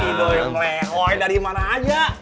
idoyeng lehoi dari mana aja